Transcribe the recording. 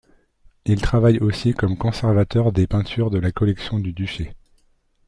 Il travaille aussi comme conservateur des peintures de la collection du duché.